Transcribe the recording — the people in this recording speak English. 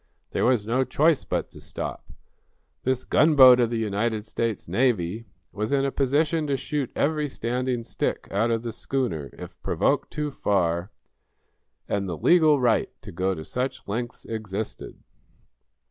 There was no choice but to stop. This gunboat of the United States Navy was in a position to shoot every standing stick out of the schooner, if provoked too far, and the legal right to go to such lengths existed.